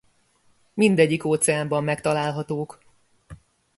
Mindegyik óceánban megtalálhatók.